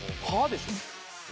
でしょ？